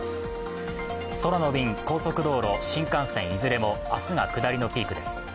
空の便、高速道路、新幹線いずれも明日が下りのピークです。